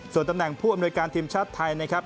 ส่วนตำแหน่งผู้อำนวยการทีมชาติไทยนะครับ